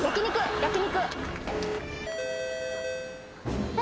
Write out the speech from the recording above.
焼き肉。